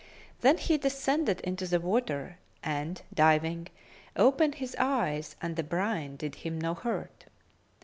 Then he descended into the water and diving, opened his eyes and the brine did him no hurt.